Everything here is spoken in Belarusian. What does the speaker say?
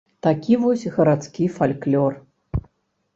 Такі вось гарадскі фальклор.